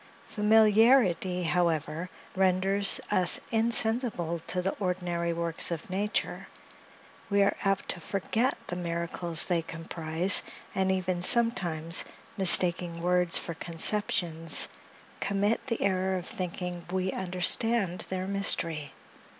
Familiarity, however, renders us insensible to the ordinary works of nature; we are apt to forget the miracles they comprise, and even, sometimes, mistaking words for conceptions, commit the error of thinking we understand their mystery.